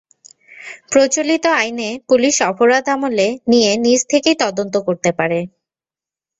প্রচলিত আইনে পুলিশ অপরাধ আমলে নিয়ে নিজ থেকেই তদন্ত করতে পারে।